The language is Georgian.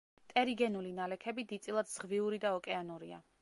ტერიგენული ნალექები დიდწილად ზღვიური და ოკეანურია.